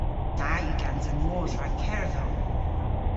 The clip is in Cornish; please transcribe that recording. Da yw gansa mos rag kerdhow.